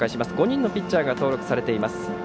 ５人のピッチャーが登録されています。